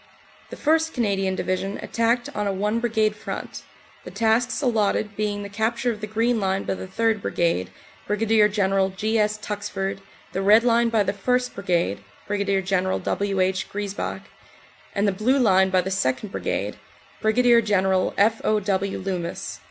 The 1st. Canadian Division attacked on a one Brigade front, the tasks allotted being the capture of the Green Line by the 3rd. Brigade, Brig. General G. S. Tuxford, the Red Line by the 1st. Brigade, Brig. General W. H. Griesbach, and the blue line by the 2nd. Brigade, Brig. General F. O. W. Loomis.